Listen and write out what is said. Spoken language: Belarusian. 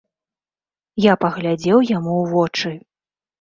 Я паглядзеў яму ў вочы.